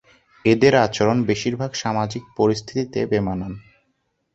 এদের আচরণ বেশিরভাগ সামাজিক পরিস্থিতিতে বেমানান।